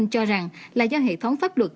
cho rằng là do hệ thống pháp luật